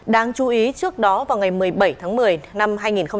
đáng chú ý trước đó vào ngày một mươi bảy tháng một mươi năm hai nghìn một mươi tám